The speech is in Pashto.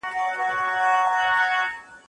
زما پر ښکلي اشنا وایه سلامونه